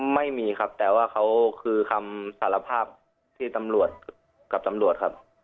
ไม่มีครับแต่ว่าเขาคือคำสารภาพที่ตำรวจกับตำรวจครับ